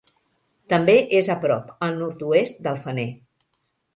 També és a prop, al nord-oest, del Fener.